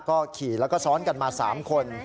ก็ขี่แล้วก็ซ้อนกันมา๓คน